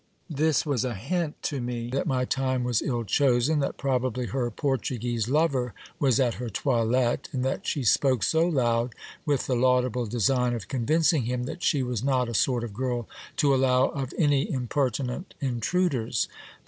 This was a hint to me that my time was ill chosen ; that probably her Portu guese lover was at her toilette, and that she spoke so loud, with the laudable design of convincing him that she was not a sort of girl to allow of any im pertinent intruders.